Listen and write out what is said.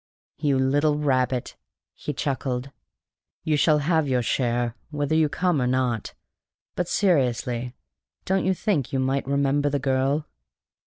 "You little rabbit!" he chuckled. "You shall have your share, whether you come or not; but, seriously, don't you think you might remember the girl?"